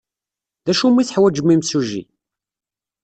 D acu umi teḥwajem imsujji?